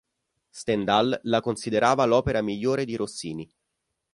Stendhal la considerava l'opera migliore di Rossini.